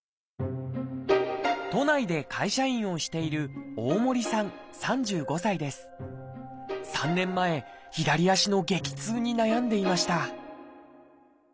都内で会社員をしている３年前左足の激痛に悩んでいました